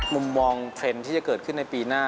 มุมมองเทรนด์ที่จะเกิดขึ้นในปีหน้า